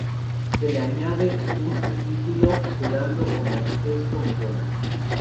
Se le añade un subtítulo quedando como "Esto me suena.